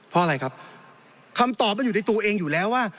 เพราะอะไรครับคำตอบมันอยู่ในตัวเองอยู่แล้วว่า